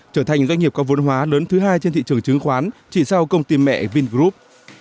trở thành doanh nghiệp có vốn hóa lớn thứ hai trên thị trường chứng khoán chỉ sau công ty mẹ vingroup